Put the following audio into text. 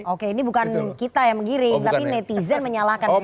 oke ini bukan kita yang menggiring tapi netizen menyalahkan semua